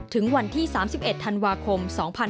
ถึงวันที่๓๑ธันวาคม๒๕๖๒